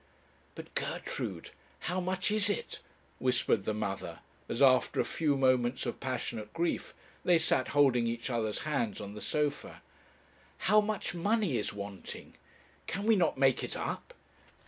'But, Gertrude, how much is it?' whispered the mother, as, after a few moments of passionate grief, they sat holding each other's hands on the sofa. 'How much money is wanting? Can we not make it up?